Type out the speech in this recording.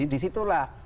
di situ lah